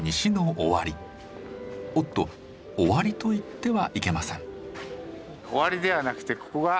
おっと終わりと言ってはいけません。